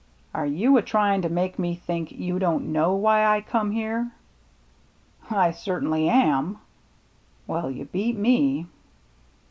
" Are you a tryin' to make me think you don't know why I come here ?"" I certainly am." " Well, you beat me."